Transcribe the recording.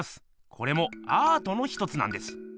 これもアートの１つなんです。